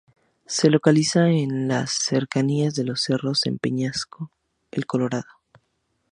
Se localiza en las cercanías de los cerros el Peñasco y el Colorado.